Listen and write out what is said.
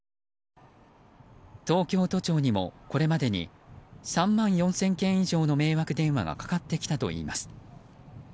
東京都庁にもこれまでに３万４０００件以上の迷惑電話がかかってきたといいます。